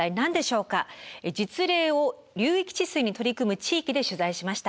実例を流域治水に取り組む地域で取材しました。